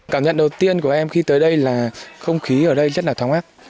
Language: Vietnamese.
cảm nhận đầu tiên của em khi tới đây là không khí ở đây rất là thoáng ác